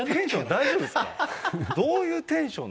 大丈夫ですか？